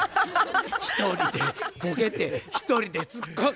一人でボケて一人でつっこむ。